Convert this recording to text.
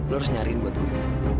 lo harus nyariin buat gue